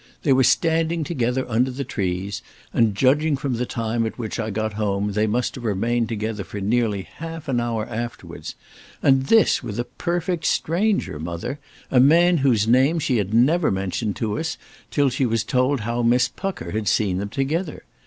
They were standing together under the trees, and, judging from the time at which I got home, they must have remained together for nearly half an hour afterwards. And this with a perfect stranger, mother, a man whose name she had never mentioned to us till she was told how Miss Pucker had seen them together!